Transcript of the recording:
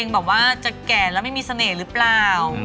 แบบว่าจะแก่แล้วไม่มีเสน่ห์หรือเปล่า